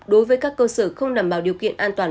đối với các cơ sở không đảm bảo điều kiện an toàn